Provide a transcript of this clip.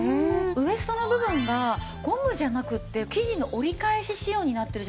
ウエストの部分がゴムじゃなくて生地の折り返し仕様になっているじゃないですか。